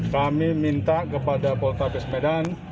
kami minta kepada poltabes medan